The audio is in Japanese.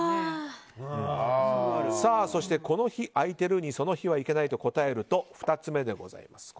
そして、この日空いてる？にその日行けないと答えると２つ目です。